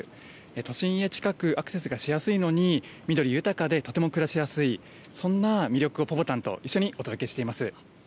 都心に近くアクセスしやすいのに緑豊かでとても暮らしやすい、そんな魅力をぽぽたんと一緒にお届けしています。